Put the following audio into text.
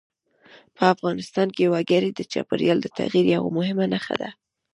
په افغانستان کې وګړي د چاپېریال د تغیر یوه مهمه نښه ده.